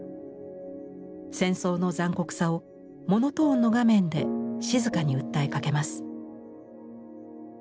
戦争の残酷さをモノトーンの画面で静かに訴えかけます。